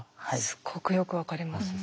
すごくよく分かります。